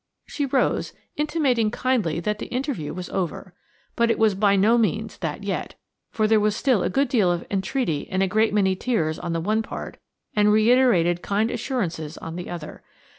She rose, intimating kindly that the interview was over. But it was by no means that yet, for there was still a good deal of entreaty and a great many tears on the one part, and reiterated kind assurances on the other.